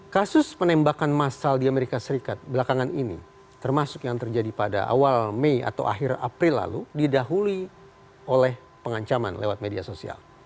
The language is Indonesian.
kasus penembakan masal di amerika serikat belakangan ini termasuk yang terjadi pada awal mei atau akhir april lalu didahului oleh pengancaman lewat media sosial